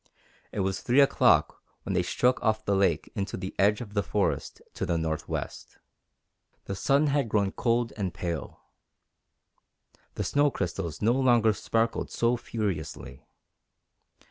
It was three o'clock when they struck off the lake into the edge of the forest to the northwest. The sun had grown cold and pale. The snow crystals no longer sparkled so furiously.